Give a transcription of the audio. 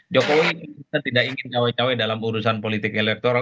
jokowi tidak ingin jawab jawab dalam urusan politik elektoral